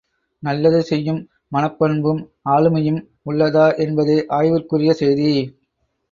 நல்லது செய்யும் மனப்பண்பும் ஆளுமையும் உள்ளதா என்பதே ஆய்வுக்குரிய செய்தி!